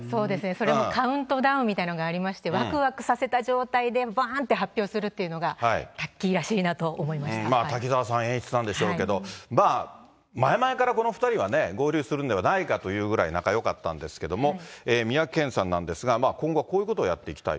それもカウントダウンみたいなのがありまして、わくわくさせた状態でばーんって発表するっていうのが、タッキーまあ、滝沢さん演出なんでしょうけど、まあ、前々からこの２人はね、合流するのではないかというぐらい仲よかったんですけども、三宅健さんなんですが、今後はこういうことをやっていきたい。